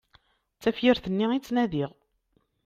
D tafyirt-nni i ttnadiɣ!